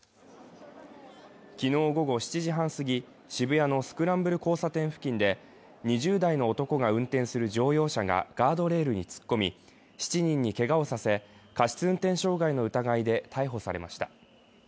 昨日午後７時半すぎ、渋谷のスクランブル交差点付近で２０代の男が運転する乗用車がガードレールに突っ込み、７人にけがをさせ、過失運転傷害の疑いで逮捕されました。